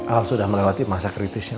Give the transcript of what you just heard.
al sudah mengalami masa kritisnya